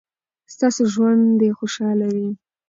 ستاسو ژوند دې خوشحاله وي.